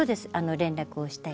連絡をしたり。